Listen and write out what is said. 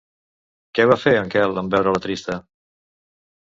Què va fer en Quel en veure-la trista?